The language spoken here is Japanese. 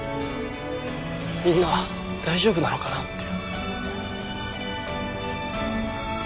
みんな大丈夫なのかなって。